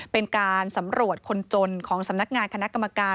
เป็นการสำรวจคนจนของสำนักงานคณะกรรมการ